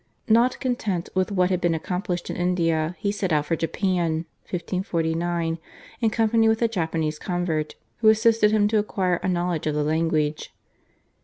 Not content with what had been accomplished in India he set out for Japan (1549) in company with a Japanese convert, who assisted him to acquire a knowledge of the language.